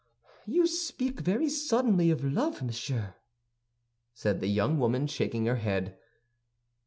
"You speak very suddenly of love, monsieur," said the young woman, shaking her head.